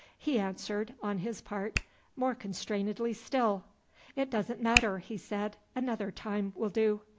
He answered, on his part, more constrainedly still. "It doesn't matter," he said. "Another time will do."